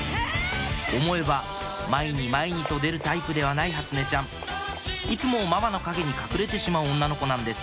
思えば前に前にと出るタイプではない初音ちゃんいつもママの陰に隠れてしまう女の子なんです